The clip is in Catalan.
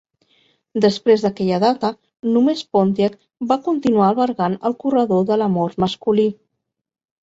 Després d'aquella data, només Pontiac va continuar albergant el corredor de la mort masculí.